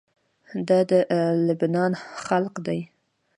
دا د لبنان خلق دي.